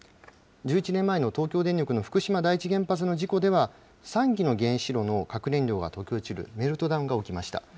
１１年前の東京電力の福島第一原発の事故では３基の原子炉の核燃料が溶け落ちるメルトダウンが起きました。